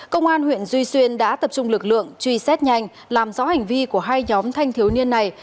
công an huyện duy xuyên đã tập trung lực lượng truy xét nhanh làm rõ hành vi của hai nhóm thanh thiếu niên này